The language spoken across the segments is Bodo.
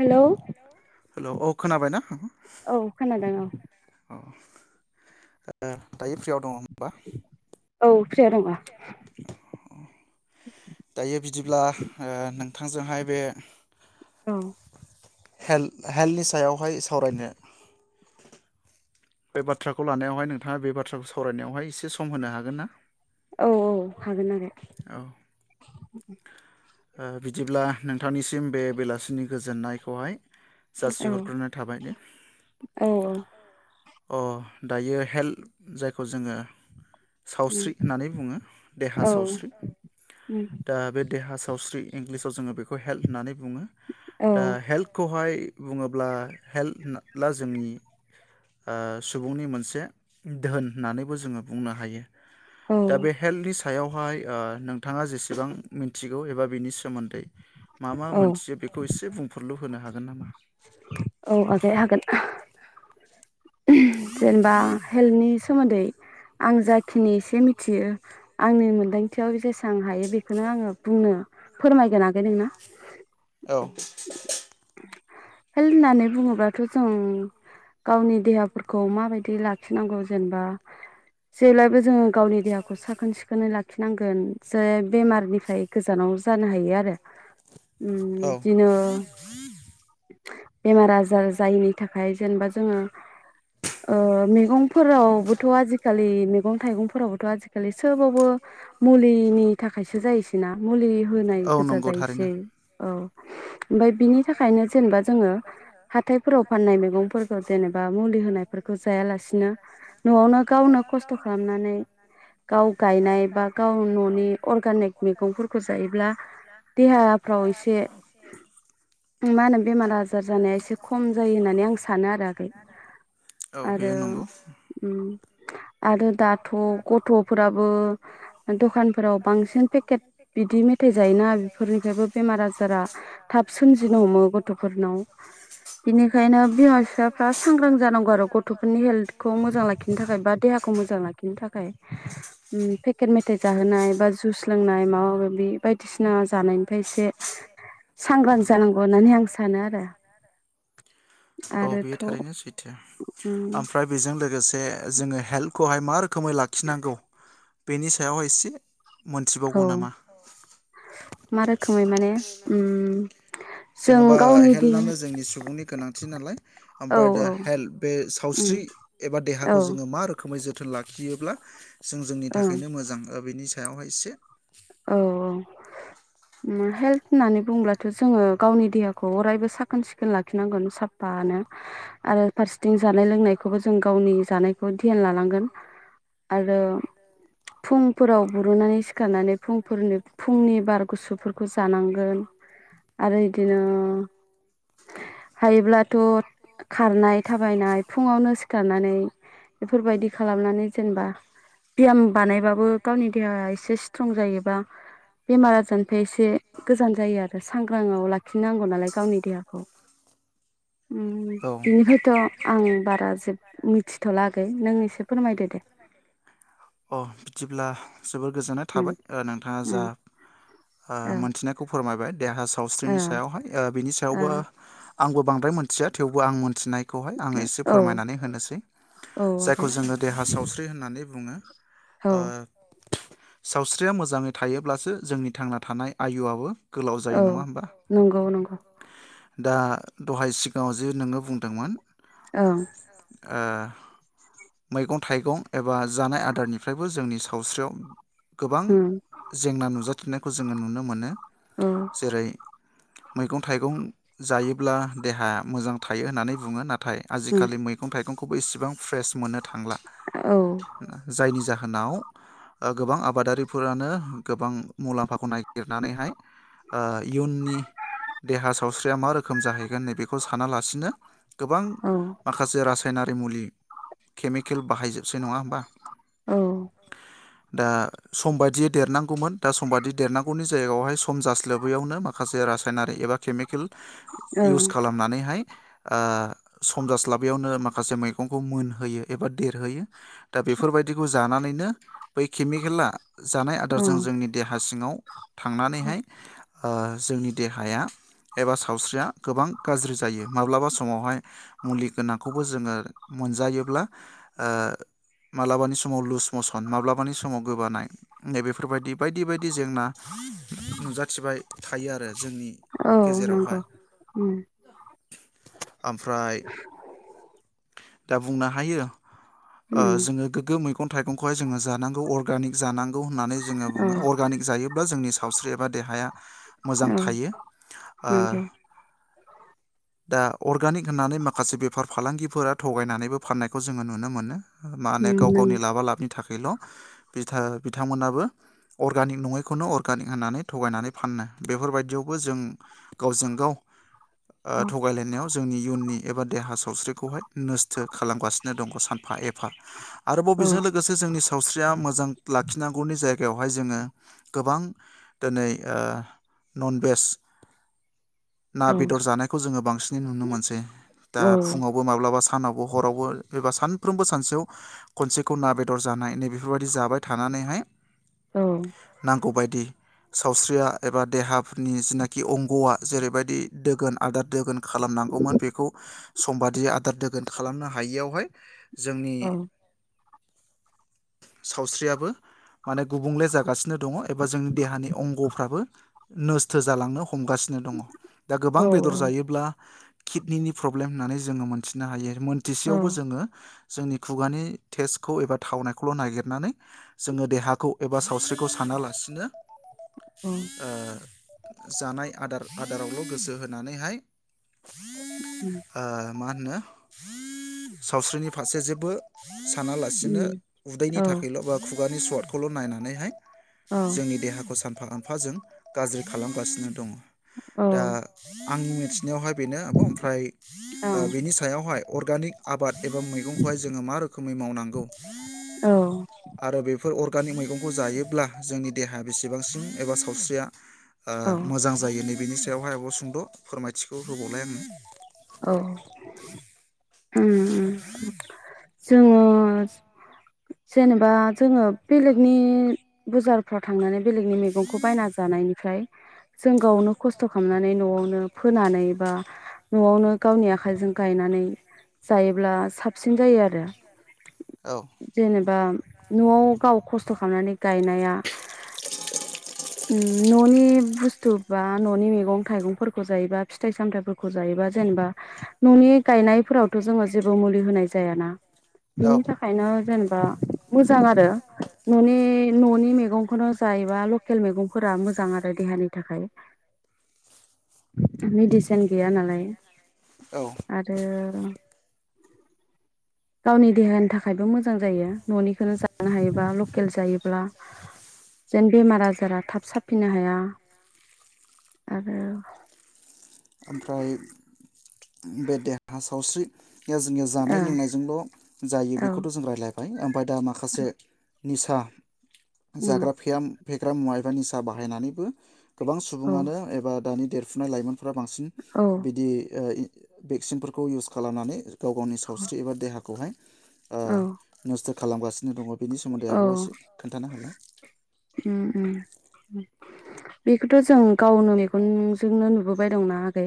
हेलौ? हेलौ औ खोनाबायना? औ खोनादों औ। औ। दायो फ्रियाव दङ होनबा? [unintelligible] नंङा अ [inaudible] दायो बिदिब्ला ओ नोंथांजोंहाय बे औ हेल-हेल्थनि सायाव हाय सावरायनो बे बाथ्राखौ लानायावहाय नों थाङा बे बाथ्राखौ सावरायनायावहाय एसे सम होनो हागोन ना? औ औ हागोन हागोन। औ [inaudible] ओ बिदिब्ला नोंथांनिसिम बे बेलासिनि गोजोननायखौहाय जासि औ हरग्रोनानै थाबाय दे। औ अ दायो हेल्थ जायखौ जोंङो सावस्रि होननानै बुंङो देहा औ सावस्रि दा बे देहा सावस्रि इंगलिसाव जोंङो बेखौ खौ हेल्थ होननानै बुंङो औ दा हेल्थखौहाय बुङोब्ला हेल्थला जोंनि सुबुंनि ओ मोनसे दोहोन होननानैबो जोंङो बुंनो हायो। औ दा बे हेल्तनि सा सायावहाय ओ नोंथांङा जेसेबां मिथि गौ एबा बिनि सोमोन्दै मा मा मोनथियो बेखौ एसे बुंफोरलु होनो हागोन नामा? औ आगै हागोन जेनेबा हेल्थनि सोमोन्दै आं जाखिनि एसे मिथियो आंनि मोनदांथियाव जेसां हायो बेखौनो आङो बुंनो फोरमायगोन आगै नोंनो। औ हेल्थ होननानै बुङोबाथ' जों गावनि देहाफोरखौ माबायदि लाखिनांगौ जेनेबा जेब्लायबो जोंङो गावनि देहाखौ साखोन सिखोनै लाखिनांगोन जे बेमारनिफ्राय गोजानाव जानो हायो आरो उम्म औ दिनो बेमार आजार जायिनि थाखाय जेनेबा जोंङो ओ मैगंफोरावबोथ आजिखालि मैगं थाइगंफोरावबोथ आजिखालि सोबावबो मुलिनि थाखायसो जायोसै ना मुलि होनाय औ गोजा नंगौ थारैनो जायोसै औ। ओमफ्राय बिनि थाखायनो जेनेबा जोंङो हाथायफोराव फाननाय मैगंफोरखौ जेनेबा मुलि होनायफोरखौ जायालासिनो न'आवनो गावनो खस्थ खालामनानै गाव गायनाय बा गाव न'नि अरगानिक मैगंफोरखौ जायोब्ला देहाफ्राव एसे मा होनो बेमार आजार जानाया एसे खम जायो होननानै आं सानो आरो आगै औ आरो बेयो नंगौ उम्म आरो दाथ गथ'फोराबो दखानफोराव बांसिन पेकेट बिदि मेथाइ जायोना बेफोरनिफ्रायबो बेमार आजारा थाब सोमजिनो हमो गथ'फोरनाव बिनिखायनो बिमा बिफाफ्रा सांग्रां जानांगौ आरो गथ'फोरनि हेल्थखौ मोजां लाखिनो थाखाय बा देहाखौ मोजां लाखि बिनि थाखाय पेकेट मेथाइ जाहोनाय बा जुस लोंनाय माबा माबि बायदिसिना जानायनिफ्राय एसे सांग्रां जानांगौ होननानै आ सानो आरो औ बेयो आरोथ' थारैनो सैथो उम ओमफ्राय बेजों लोगोसे जोङो हेल्प खौहाय मा रोखोमै लाखिनांगौ बेनि सायावहाय एसे मोनथिबावगौ औ नामा? मा रोखोमै माने जों जेनबा गावनि देहा हेल्थआनो जोंनि सुबुंनि गोनांथि नालाय औ ओमफ्राय दा हेल्थ बे उम सावस्रि एबा औ देहाखौ जोङो मा रोखोम। रोखोमै जोथोन लाखियोब्ला। जों जोंनि ओं थाखायनो मोजां बेनि सायावहाय एसे। औ औ हेल्थ होननानै बुंब्लाथ जोङो गावनि देहाखौ अरायबो साखोन सिखोन लाखिनांगोन साफानो आरो फारसेथिं जानाय लोंनायखौबो जों गावनि जानायखौ ध्यान लानांगोन आरो फुंफोराव बुरुनानै सिखारनानै फुंफोरनि फुंनि बार गुसुफोरखौ जानांगोन आरो बिदिनो हायोब्लाथ खारनाय थाबायनाय फुङावनो सिखारनानै बेफोरबायदि खालामनानै जेनेबा बियाम बानायबाबो गावनि देहाया एसे स्ट्र जायोबा बेमार आजारनिफ्राय एसे गोजान जायो आरो सांग्रांआव लाखिनांगौ नालाय गावनि देहाखौ ओम औ बिनिफ्रायथ आं बारा जे मिथिथलागै नों एसे फोरमायदो दे। अ बिदिब्ला जोबोर गोजोननाय उम थाबाय नोंथाङा जा उम ओ औ मोनथिनायखौ फोरमायबाय। देहा सावस्रिनि सायावहाय बिनि सायावबो आंबो बांद्राय मोन। मिथिया थेवबो आं मिन्थिनाय। खौहाय एसे ओ फोरमायनानै होनोसै औ आगै जायखौ जो देहा सावस्रि थ्रि होननानै बुङो औ ओ। सावस्रिया मोजाङै थायोब्लासो जोंनि थांना थानाय आयुआबो गोलाव जायो औ नङा होमबा नंगौ नंगौ‌ दा दहाय सिगाङाव जे नोङो बुंदोंमोन। औ। मैगं थाइगं एबा। बा जानाय आदारनिफ्रायबो जोंनि स सावस्रियाव। गोबां उम जेंना नुजाथिनायखौ जोङो नुनो मोनो औ जेरै मैगं-थाइगं जायोब्ला देहाया मोजां थायो होननानै बुङो ना थाइ उम आजिखालि मैगं-थाइगंखौ अबेसिबां फ्रेस। मोन्नो थांला औ जायनि जाहो नाव ओ गोबां आबादारिफोरानो गोबां मुलाम्फाखौ नागिरनानैहाय ओ इयुननि देहा सावस्रिया मा रोखोम जाहैगोन नैबेखौ सान सानालासिनो गोबां औ माखासे रासायनारि मुलि केमिकेल बाहायजोबसै नङा होमबा औ दा सम बायदियै देरनांगौमोन दा समबादि देरनांगौनि जायगायावहाय सम जास्लोबैयावनो माखासे रासायनारि एबा केमिकेल इउस ओं खालामनानैहाय ओ सम जास्लाबैयावनो माखासे मैगंखौ मोनहोयो एबा देरहोयो दा बेफोरबायदिखौ जानानैनो बै केमिकेला जानाय औ आदारजों जोंनि देहा सिङाव थांनानैहाय ओ जोंनि देहाया एबा सावस्रिया गोबां गाज्रि जायो। माब्लाबा समावहाय मुलि गोनांखौबो जोङो मोनजायोब्ला ओ मालाबानि समाव लुज मसन माब्लाबानि समाव गोबानाय नै बेफोरबायदि बायदि बायदि जेंना नुजाथिबाय थायो आरो जोंनि औ नोंगौ। गेजेरावहाय फ्राय दा बुंनो हायो ओ उम जोङो गोग्गो मै गं थाइगखौहाय जोङो जानांगौ अरगानिक जानां गौ होन्नानै जोङो औ बुङो। अर्गानिक जायो बा जोंनि सावस्रि एबा देहाया मोजां औ थायो। ओ नंगौ दा अर्गानिक होन्नानै माखासे बेफार फालांगि फोरा थगायनानैबो फान्नायखौ जोङो नुनो मोनो। हा माने उम गाव नों गावनि लाबा लाबनि थाखाय बेल बिथा-बिथांमोनाबो अर्गानिक नङैखौनो अर्गानिक होन्नानै थगायनानै फानोनो बेफोरबायदियावबो जों गावजों गाव ओ औ थगायलायनायाव जोंनि इयुननि एबा देहा सो नोस्थो खालामगासिनो दङ सानफा ए फा। आरोबाव औ बेजों लोगोसे जोंनि सावस्रिया मोजां ला खिनांगौनि जायगायावहाय जोङो गोबां दिनै ओ ननभेज ना औ बेदर जानायखौ जोङो बांसिनै नुनो मोनसै। दा फुङावबो माब्लाबा सा सानावबो हरावबो एबा सान साफ्रोमबो सानसेयाव खनसेखौ ना बेदर जानाय नैबे बेबायदि जाबाय थानानैहाय औ नांगौ गौ बायदि सावस्रिया एबा देहाफोरनि जिनाखि अंग'आ जेरैबायदि दोगोन आदार दोगोन खालामनांगौमोन बेखौ समबादि आदार दोगोन गोन खालामनो हायियावहाय जोंनि औ सावस्रियाबो माने गुबुंले जागासिनो दङ एबा जोंनि देहानि अंगफ्राबो नस्थ' जालांनो ह हमगासिनो दङ दा गोबां औ बेदर जायोब्ला किडनिनि प्रबेम होननानै जोङो मोनथिदों। थिनो हायो। औ मोनथिसेयावबो जोङो। जोंनि खुगानि टेस्टखौ एबा थावनायखौल नागिरनानै जोङो देहाखौ एबा सावस्रिखौ सानालासिनो उम औ। जानाय आदार आदारावल गोसो होनानैहाय उम [inaudible] ओ मा होनो सावस्रिनि फारसे जेबो सानालासिनो औ उदैनि थाखायल' बा मुगानि सवटखौल' नायनानैहाय। औ जोंनि देहाखौ सान। खांफा गांफाजों गाज्रि खालामगासिनो दङ। औ दा। आंनि मोन यावहाय बेनो आब ओमफ्राय बेनि सायावहाय अर्गानि आदबा मैगंखौहाय जोङो मा रोखोमै मावनांगौ। औ। आरो बेफोर अर्गानिक मैगंखौ जायोब्ला जोंनि देहाया बेसेबांसिन एबा सावस्रिया ओ मोजां जायोनि बिनि सायावहाय आब सुंद फोरमायथिखौ होबावलाय आङो। औ। [inaudible] जोङो जेनेबा। जोङो बेलेगनि बजारफ्राव थांनानै बेलेगनि मैगंखौ बायना जानायनिफ्राय जों गावनो खस्थ' खालामनानै न'आवनो फोनानै बा गावनि आखाइजों गायनानै जायोब्ला साबसिन जायो आरो। औ जेनेबा न'आव गाव खस्थ' खामनानै गायनाया उम न'नि बुस्थुब बा ननि मैगं थाइगंफोरखौ जायोबा फिथाइ सामथायाइफोरखौ जा जेनेबा ननि गायनायफोरावथ जोङो जेबो मुलि होनाय जायाना औ बिनि थाखायनो जेनेबा मोजां आरो ननि ननि मैगं नखराव‌जायोब्ला लखेल मेगंफोरा मोजां आरो देहानि थाखाय मिदिसेननि गैया नालाय औ आरो उम गावनि देहानि थाखायबो मोजां जायो ननिखौनो जानो हायोबा लकेल जायोब्ला जेन बेमार आजारा थाब साफिननो हाया आरो ओमफ्राय बे देहा सावस्रि द जोंनिया जानाय ओ लोंनायजोंल जायो औ बेखौथ जों रायज्लाय [unintelligible] ओफायदा माखासे निसा उम जाग्रा फैयाम फेग्रा मुवा एबा निसा बाहायनानैबो गोबां औ सुबुङानो एबा दानि देरफुनाय लाइमोन फ्रा बांसिन औ बिदि ओ भेक्सिनफोरखौ इउस खालामनानै गाव गावनि सावस्रि एबा देहाखौहाय औ ओ [unintelligible] खालामगासिनो दङ बेनि सोमोन्दै औ आब'आ ओम एसे खोन्थाना होलाय ओम बे थ जों गावनो मेगनजोंनो नुबोबाय दंना ग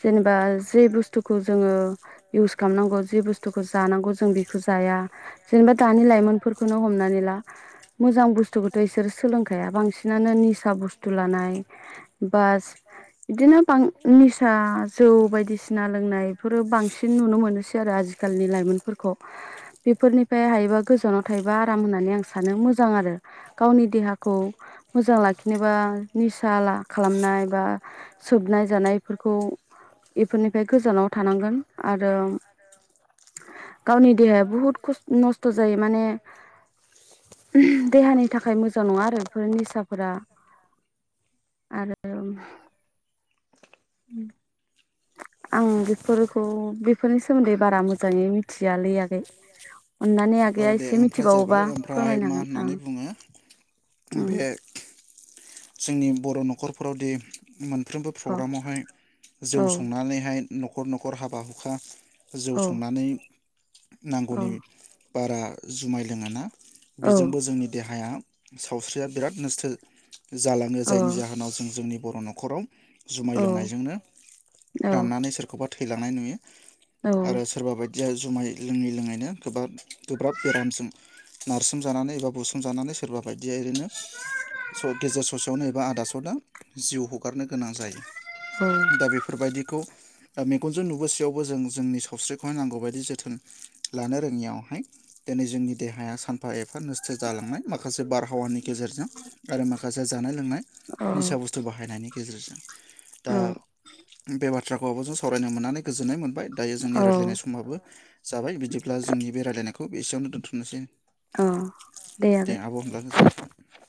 [unintelligible] जेनेबा जे बुस्थुखौ जोङो इउस खालामनांगौ जे बुस्थु बुस्थुखौ जानांगौ जों बेखौ जाया जेनोबा दानिलायमोन फोरखोनो हमनानै ला मोजां बुस्थुखौथ बिसोर सोलोंखाया बांसिनानो निसा बुस्थु लानाय बास बिदिनो बां निसा जौ बायदिसिना लोंनाय बेफोरो बांसिन नुनो मोनोसै आरो आजिखालिनि लाइमोनफोरखौ बेफोरनिफ्राय हायोबा गोजानाव थायोबा आराम होननानै आं सानो मोजां आरो गावनि देहाखौ मोजां लाखिनोबा निसा ला खालामनाय बा सोबनाय जानायफोरखौ एफोरनिफ्राय गोजानाव थानांगोन आरो गावनि देहाया बुहुद‌ खस-नस्थ जायो माने उम देहानि थाखाय मोजां नङा आरो बेफोर निसाफोरा आरो उम आं बेफोरखौ [unintelligible] फोरनि सोमोन्दै बारा मोजाङै मिथियालै आगै अन्नानै औ आगैया दे एसे ओमफ्राय जाबाय मिथिबावोबा ओमफ्राय फोरमायनो मा हागोन। होननानै ओ बुङो उम बे जोंनि बर नखरफोरावदि मोन फ्रोमबो अ प्रग्रामावहाय जौ औ संनानैहाय नखर नखर हाबा हुखा जौ औ संनानै औ नांगौनि बारा जुमाय लोङा ना औ बेजोंबो जोंनि देहाया सावस्रिया बिराद नस्थो जालाङो अ जायनि औ जाहोनाव जों जोंनि बर नखराव जुमाय लोंनायजोंनो औ राननानै सोरखौबा थैलांनाय नुयो। आरो सोरबा बायदि दिया जुमाय लोङै लोङैनो गोबा-गोब्राब बेरामजों नारसोमजानानै एबा बुसोमजानानै सोरबा बायदिया ओरैनो स गेजेर ससेयावनो एबा आदा सदा जिउ हगारनो गोनां जायो। दा बेफोरबायदिखौ दा मेगनजों नुबोसेयावबो जों जोंनि सावस्रिखौहाय नांगौ बायदि जोथोन लानो रोङियावहाय दिनै जोंनि देहाया सानफा एफा नस्थ जालांनाय माखासे बार हावानि गेजेरजों आरो माखा जानाय लोंनाय निसा औ बुस्थु बाहायनायनि गेजेरजों दा औ बे बा थ्राखौ आबजों जों सावरायनो मोननानै गोजोननाय मोन बाय दायो जोंनि रायज्लायनाय औ समाबो जाबाय बिदिब्ला जोंनि बे रायलायनायखौ एसेयावनो दोन्थनोसै औ औ दे आब होनब्ला गोजोननाय थाबाय।